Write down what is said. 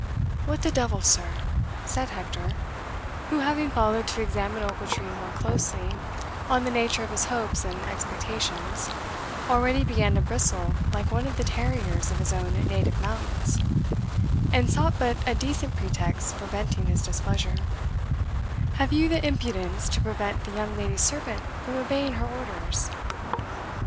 "What the devil, sir," said Hector, who having followed to examine Ochiltree more closely on the nature of his hopes and expectations, already began to bristle like one of the terriers of his own native mountains, and sought but a decent pretext for venting his displeasure, "have you the impudence to prevent the young lady's servant from obeying her orders?"